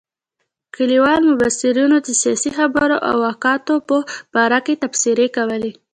کلیوالو مبصرینو د سیاسي خبرو او واقعاتو په باره کې تبصرې کولې.